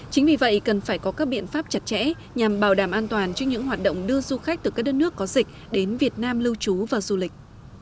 chính vì vậy cần phải có các biện pháp chặt chẽ nhằm bảo đảm an toàn cho những hoạt động đưa du khách từ các đất nước có dịch đến việt nam lưu trú và du lịch